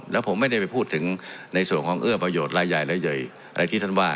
แล้วผมไม่ได้ไปพูดถึงในส่วนของเอื้อประโยชน์รายใหญ่รายใหญ่อะไรที่ท่านว่า